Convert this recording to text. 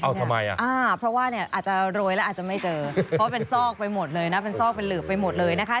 เพราะว่าเนี่ยอาจจะโรยแล้วอาจจะไม่เจอเพราะว่าเป็นซอกไปหมดเลยนะเป็นซอกเป็นหลืบไปหมดเลยนะคะ